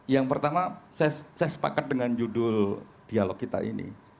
yang pertama saya sepakat dengan judul dialog kita ini